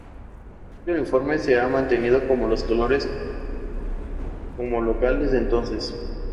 Este uniforme se ha mantenido como los colores como local desde entonces.